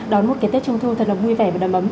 đón một cái tết trung thu thật là vui vẻ và đầm ấm